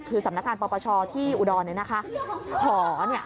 คือสำนักงานปปชที่อุดรธานีก็ขอ